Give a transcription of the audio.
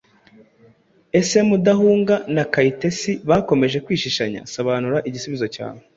Ese Mudahunga na Kayitesi bakomeje kwishishanya? Sobanura igisubizo cyawe.